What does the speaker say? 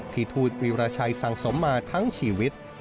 ที่ทูตวิราชัยสังสมมาทั้งชีวิต